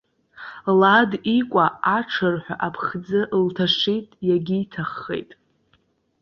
Лад икәа аҽырҳәа аԥхӡы лҭашит, иагьиҭаххеит.